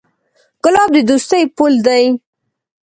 ګلاب د دوستۍ پُل دی.